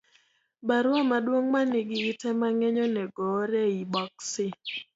Barua maduong' ma nigi ite mang'eny onego oor e i boksi